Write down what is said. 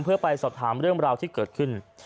เพื่อไปสอบถามเรื่องราวที่เกิดขึ้น